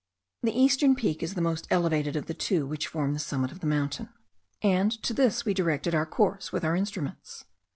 The eastern peak is the most elevated of the two which form the summit of the mountain, and to this we directed our course with our instruments.